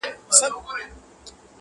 د زندانونو تعبیرونه له چا وپوښتمه-